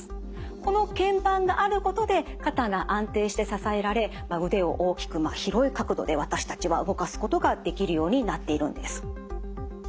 このけん板があることで肩が安定して支えられ腕を大きく広い角度で私たちは動かすことができるようになっているんです。